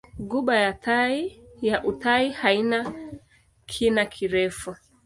Ghuba ya Uthai haina kina kirefu.